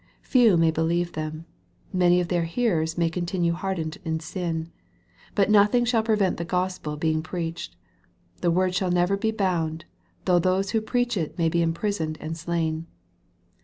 Few may believe them. Many of their hearers may continue hard ened in sin. But nothing shall prevent the Gospel being preached. The word shall never be bound, though those who preach it maybe imprisoned and slain.